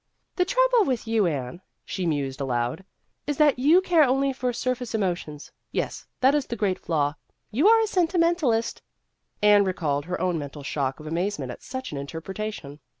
" The trouble with you, Anne," she mused aloud, " is that you care only for surface emo A Case of Incompatibility 133 tions. Yes, that is the great flaw you are a sentimentalist." Anne recalled her own mental shock of amazement at such an interpretation.